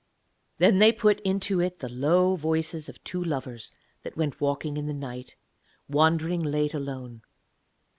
Then they put into it the low voices of two lovers that went walking in the night, wandering late alone.